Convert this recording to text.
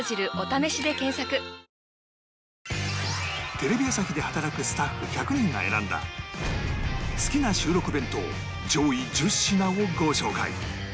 テレビ朝日で働くスタッフ１００人が選んだ好きな収録弁当上位１０品をご紹介